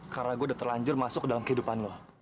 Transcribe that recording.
karena gua udah terlanjur masuk ke dalam kehidupan lu